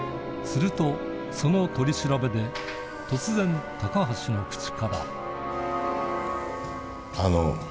するとその取り調べで突然高橋の口からあの。